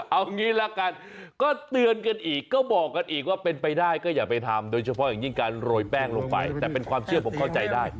เอางี้ละกันก็เตือนกันอีกก็บอกมันอีกว่าเป็นไปได้ก็อย่าไปทำ